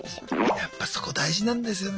やっぱそこ大事なんですよね。